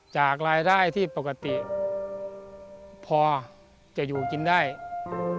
จากรายได้ที่ปกติพอจะอยู่กินได้อืม